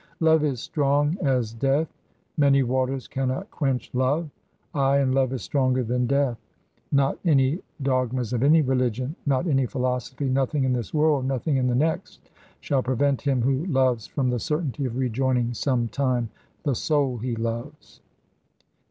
'Love is strong as death; many waters cannot quench love;' ay, and love is stronger than death. Not any dogmas of any religion, not any philosophy, nothing in this world, nothing in the next, shall prevent him who loves from the certainty of rejoining some time the soul he loves.